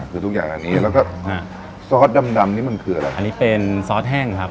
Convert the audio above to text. คือทุกอย่างอันนี้แล้วก็อ่าซอสดำดำนี่มันคืออะไรอันนี้เป็นซอสแห้งครับ